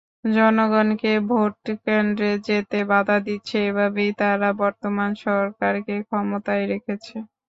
জনগণকে ভোট কেন্দ্রে যেতে বাধা দিচ্ছে, এভাবেই তারা বর্তমান সরকারকে ক্ষমতায় রেখেছে।